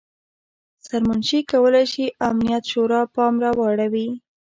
سرمنشي کولای شي امنیت شورا پام راواړوي.